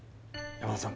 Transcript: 山田さん